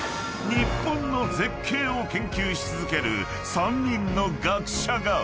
［日本の絶景を研究し続ける３人の学者が］